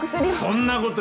そんなこと？